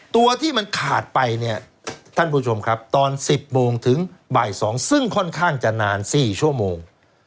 ตัวที่มันขาดไปเนี่ยท่านผู้ชมครับตอน๑๐โมงถึงบ่าย๒ซึ่งค่อนข้างจะนาน๔ชั่วโมง